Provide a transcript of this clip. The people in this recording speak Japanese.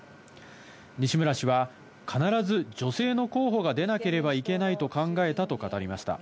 西村氏は、必ず女性の候補が出なければいけないと考えたと語りました。